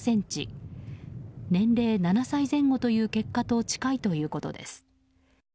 年齢７歳前後という結果と近いということです。